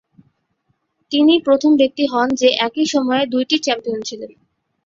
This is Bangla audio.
তিনি প্রথম ব্যক্তি হন যে একই সময়ে দুইটি চ্যাম্পিয়ন ছিলেন।